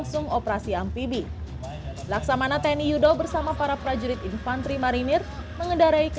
saya perintahkan daratkan pasukan pendarat